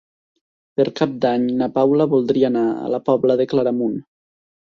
Per Cap d'Any na Paula voldria anar a la Pobla de Claramunt.